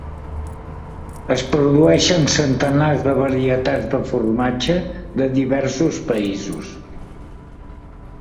Es produeixen centenars de varietats de formatge de diversos països.